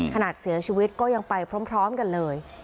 เสียชีวิตก็ยังไปพร้อมกันเลย